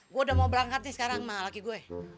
gue udah mau berangkat nih sekarang sama laki gue